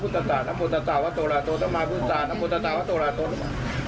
ขึ้นอยู่กับความเชื่อนะฮะสุดท้ายเนี่ยทางครอบครัวก็เชื่อว่าป้าแดงก็ไปที่วัดแล้ว